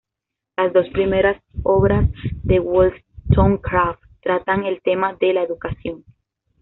Las dos primeras obras de Wollstonecraft tratan el tema de la educación.